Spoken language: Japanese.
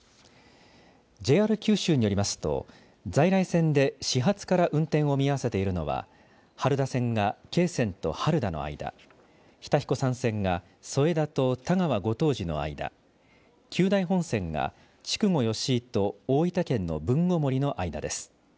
ＪＲ九州によりますと在来線で始発から運転を見合わせているのは原田線が桂川と原田の間日田彦山線が添田と田川後藤寺の間久大本線が筑後吉井と大分県の豊後森の間です。